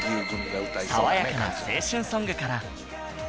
爽やかな青春ソングから